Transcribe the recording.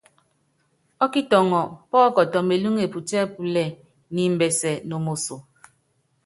Ɔ́kitɔŋɔ pɔ́kɔtɔ melúŋe putíɛ́púlɛ́ɛ niimbɛsɛ no moso.